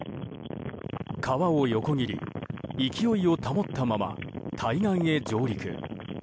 川を横切り、勢いを保ったまま対岸へ上陸。